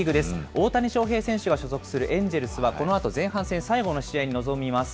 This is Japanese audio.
大谷翔平選手が所属するエンジェルスはこのあと前半戦最後の試合に臨みます。